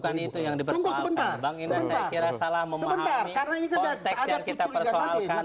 bang inas saya kira salah memahami konteks yang kita persoalkan